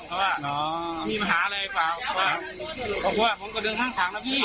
เขาก็ว่ามีปัญหาอะไรเปล่าเขาก็ว่าผมก็เดินข้างแล้วพี่